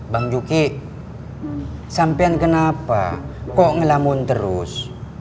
bang juki sampean kenapa kok ngelamun terus